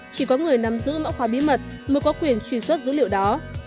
chỉ có người nắm giữ mẫu khoa bí mật mới có quyền truy xuất dữ liệu đó